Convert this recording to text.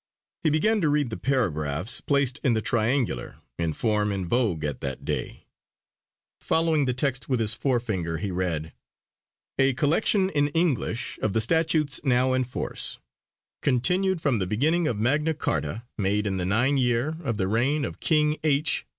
He began to read the paragraphs, placed in the triangular in form in vogue at that day; following the text with his forefinger he read: "A collection in English of the Statutes now in force, continued from the beginning of Magna Charta made in the 9. yeere of the reigne of King H.